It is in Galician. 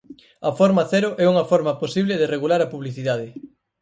A forma cero é unha forma posible de regular a publicidade.